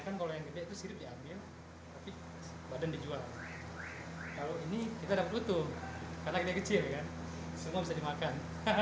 kalau ini kita dapat utuh karena kita kecil ya semua bisa dimakan